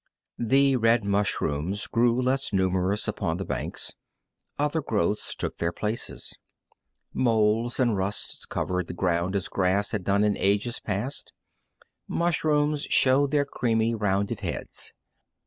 The red mushrooms grew less numerous upon the banks. Other growths took their places. Molds and rusts covered the ground as grass had done in ages past. Mushrooms showed their creamy, rounded heads.